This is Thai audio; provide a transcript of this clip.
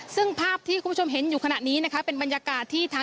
ซึ่งภาพที่คุณผู้ชมเห็นอยู่ขณะนี้นะคะเป็นบรรยากาศที่ทาง